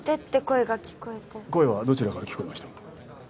声はどちらから聞こえました？